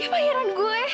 dia pahiran gue